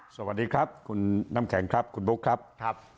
สวัสดีครับคุณน้ำแข็งครับคุณบุ๊คครับ